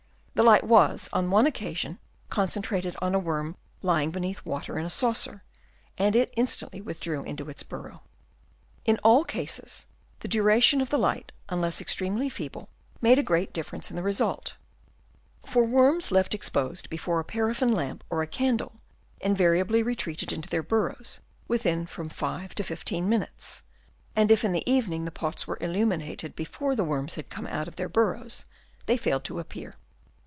The light was on one occasion concentrated on a worm lying beneath water in a saucer, and it instantly withdrew into its burrow. it In all cases the duration of the light, unless extremely feeble, made a great difference in the result ; for worms left exposed before a paraffin lamp or a candle invariably retreated into their burrows within from five to fifteen minutes ; and if in the evening the pots were illuminated before the worms had come out of their burrows, they failed to appear.